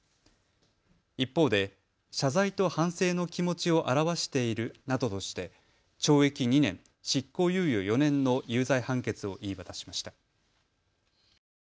一方で謝罪と反省の気持ちを表しているなどとして懲役２年、執行猶予４年の有罪判決を言い渡しました。